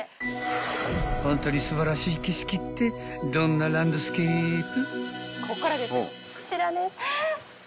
［ホントに素晴らしい景色ってどんなランドスケープ？］